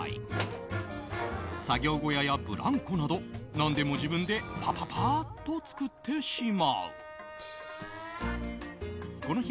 作業小屋やブランコなど何でも自分でパパパーッと作ってしまう。